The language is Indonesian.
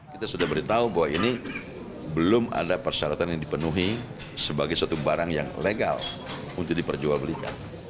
kita sudah beritahu bahwa ini belum ada persyaratan yang dipenuhi sebagai satu barang yang legal untuk diperjualbelikan